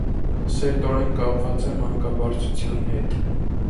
Սերտորեն կապված է մանկաբարձության հետ։